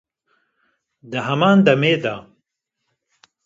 di heman demê de